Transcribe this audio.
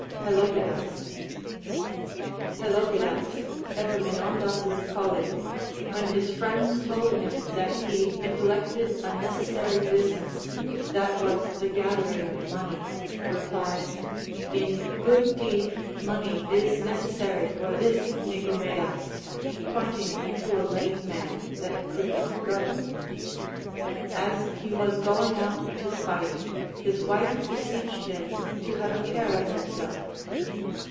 Pelopidas. Pelopidas, Epaminondas's colleague, when his friends told him that he neglected a necessary business, that was the gathering of money, replied : In good deed VOL. X. 15 226 THE APOPHTHEGMS OF KINGS. money is necessary for this NicomeJas, pointing to a lame man that could not go. As he was going out to fight, his wife beseeched him to haxe a care of himself.